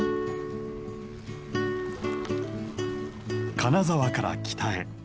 金沢から北へ。